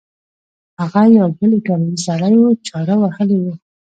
هغه یو بل ایټالوی سړی په چاړه وهلی و.